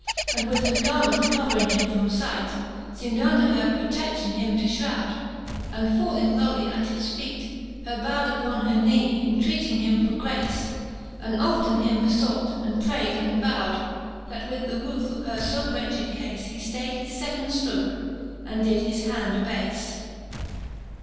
And with her garment covering him from fight, Seem'd under her protection him to fiiroud ; And falling lowly at his feet, her bow'd Upon her knee, intreating him for grace, And often him befought, and pray'd, and vowd ^ That with the ruth of her fo wretched cafe. He ftayd his fecond fbooke, and did his hand abafe.